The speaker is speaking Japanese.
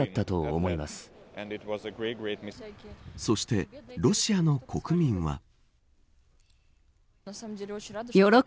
そして、ロシアの国民は。